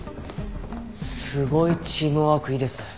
すごいチームワークいいですね